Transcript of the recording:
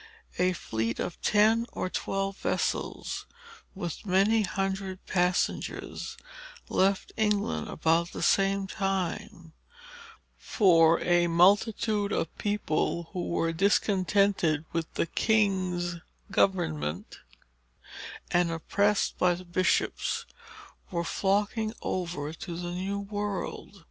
A fleet of ten or twelve vessels, with many hundred passengers, left England about the same time; for a multitude of people, who were discontented with the king's government and oppressed by the bishops, were flocking over to the new world.